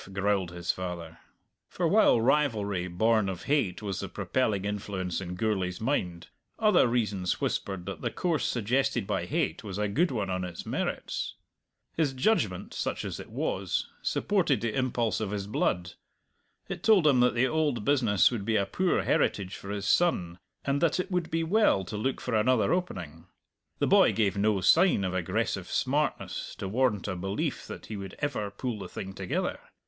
growled his father. For while rivalry, born of hate, was the propelling influence in Gourlay's mind, other reasons whispered that the course suggested by hate was a good one on its merits. His judgment, such as it was, supported the impulse of his blood. It told him that the old business would be a poor heritage for his son, and that it would be well to look for another opening. The boy gave no sign of aggressive smartness to warrant a belief that he would ever pull the thing together.